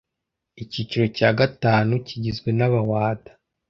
Icyiciro cya gatanu kigizwe n’Abawada